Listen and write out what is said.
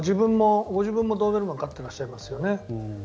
ご自分もドーベルマンを飼ってらっしゃいますよね。